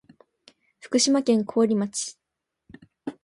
福島県桑折町